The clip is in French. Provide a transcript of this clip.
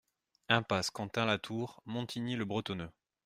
Impasse Quentin La Tour, Montigny-le-Bretonneux